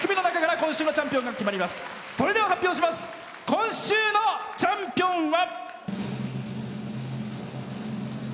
今週のチャンピオンは。